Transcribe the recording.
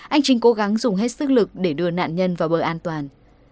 anh trinh cố gắng dùng hết sức lực để đưa nạn nhân vào bờ an toàn